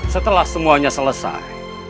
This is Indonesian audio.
setelah semuanya selesai